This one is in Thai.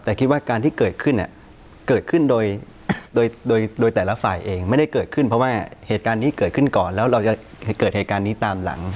แต่คิดว่าการที่เกิดขึ้นเกิดขึ้นโดยโดยแต่ละฝ่ายเองไม่ได้เกิดขึ้นเพราะว่าเหตุการณ์นี้เกิดขึ้นก่อนแล้วเราจะเกิดเหตุการณ์นี้ตามหลัง